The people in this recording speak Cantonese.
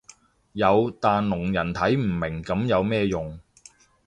有但聾人睇唔明噉有咩用